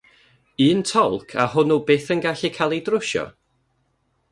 Un tolc a hwnnw byth yn gallu cael ei drwsio?